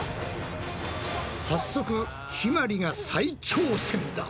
早速ひまりが再挑戦だ！